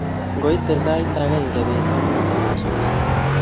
Ngoite sait agenge beet amite asomani